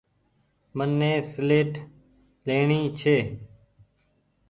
مني سيليٽ ڇي۔